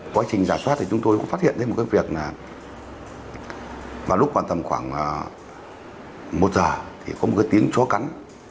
quá trình giả soát chúng tôi có phát hiện ra một việc là vào lúc khoảng một giờ thì có một tiếng chó cắn